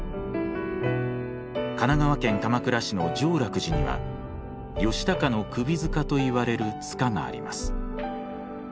神奈川県鎌倉市の常楽寺には義高の首塚といわれる塚があります。